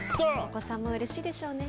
お子さんもうれしいでしょうね。